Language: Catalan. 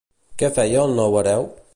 Què feia el nou hereu?